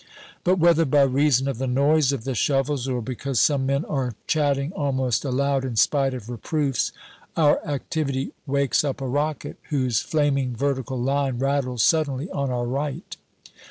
But whether by reason of the noise of the shovels, or because some men are chatting almost aloud, in spite of reproofs, our activity wakes up a rocket, whose flaming vertical line rattles suddenly on our right.